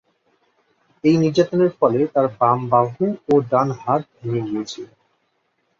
এই নির্যাতনের ফলে তার বাম বাহু ও ডান হাত ভেঙে গিয়েছিল।